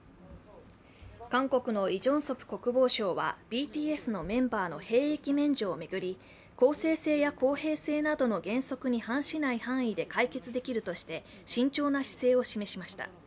韓国のイ・ジョンソプ国防相はＢＴＳのメンバーの兵役免除を巡り、公正性や公平性などの原則に反しない範囲で解決できるとして、慎重な姿勢を示しました。